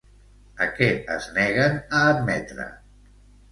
A què es neguen a admetre?